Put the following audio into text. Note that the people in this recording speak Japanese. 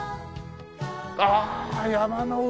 ああ山の上にも。